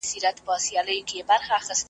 تور ببر- ببر برېتونه .